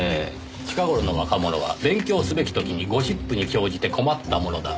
「近頃の若者は勉強すべき時にゴシップに興じて困ったものだ」。